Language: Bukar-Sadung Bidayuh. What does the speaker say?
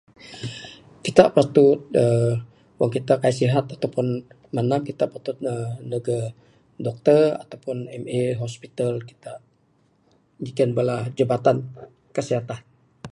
Kitak patut uhh wang kitak kaik sihat atau pun madam, kitak patut ndug uhh dokter atau pun MA hospital kitak nyiken bala Jabatan Kesihatan.